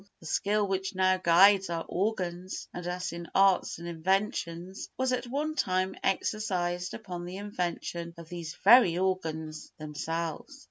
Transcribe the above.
The skill which now guides our organs and us in arts and inventions was at one time exercised upon the invention of these very organs themselves.